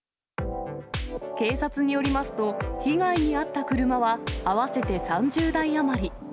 警察によりますと、被害に遭った車は、合わせて３０台余り。